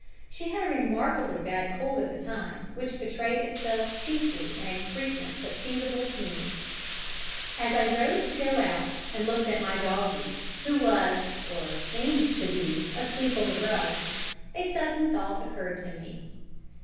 She had a remarkably bad cold at the time, which betrayed itself chiefly in a frequent, but feeble, sneeze. As I rose to go out, and looked at my doggie who was, or seemed to be, asleep on the rug a sudden thought occurred to me.